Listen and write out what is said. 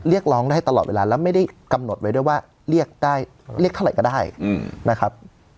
เรียกร้องได้ตลอดเวลาแล้วไม่ได้กำหนดไว้ด้วยว่าเรียกได้เรียกเท่าไหร่ก็ได้นะครับ